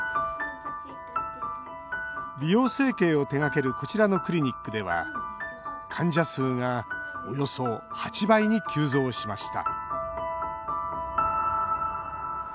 美容整形を手がけるこちらのクリニックでは患者数がおよそ８倍に急増しました